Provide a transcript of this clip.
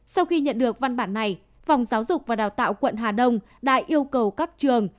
sau khi nhận được văn bản này phòng giáo dục và đào tạo quận hà đông đã yêu cầu các trường